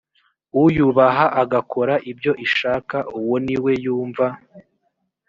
uyubaha agakora ibyo ishaka uwo ni we yumva